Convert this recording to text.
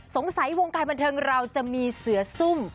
สงสัยวงการบันเทิงเราจะมีเสือซุ่ม